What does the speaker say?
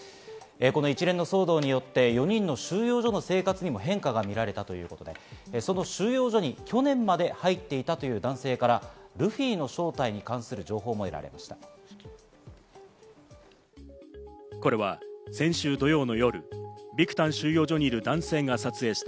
一連の騒動によって４人の収容所の生活にも変化が見られたということで、収容所に去年まで入っていた男性からルフィの正体に関する情報も得られました。